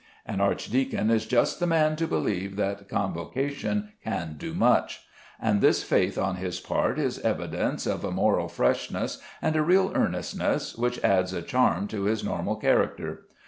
An archdeacon is just the man to believe that Convocation can do much; and this faith on his part is evidence of a moral freshness and a real earnestness which adds a charm to his normal character.